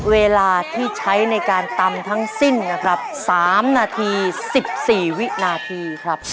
เวลาที่ใช้ในการตำทั้งสิ้นนะครับ๓นาที๑๔วินาทีครับ